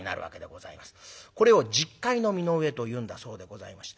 これを十かいの身の上というんだそうでございまして。